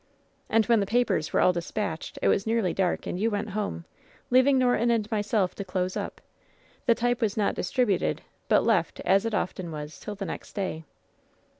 '* "And when the papers were all dispatched it was nearly dark, and you went home, leaving Norton and myself to close up. The type was not distributed, but left, as it often was, till the next day."